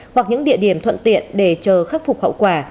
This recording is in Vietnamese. hoặc những địa điểm thuận tiện để chờ khắc phục hậu quả